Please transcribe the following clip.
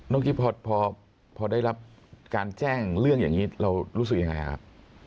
กิ๊บพอได้รับการแจ้งเรื่องอย่างนี้เรารู้สึกยังไงครับ